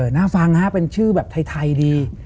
น่าฟังฮะเป็นชื่อแบบไทยดี